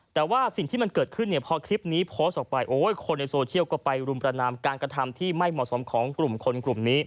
แต่ว่าสิ่งที่มันเกิดขึ้นเนี่ยพอคลิปนี้โพสต์ออกไปโอ้ยคนในโซเชียลก็ไปรุมประนามการกระทำที่ไม่เหมาะสมของกลุ่มคนกลุ่มนี้